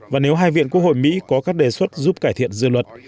và nếu hai viện quốc hội mỹ có các đề xuất giúp cải thiện dự luật